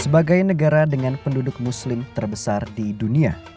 sebagai negara dengan penduduk muslim terbesar di dunia